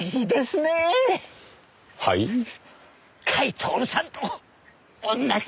甲斐享さんと同じだ。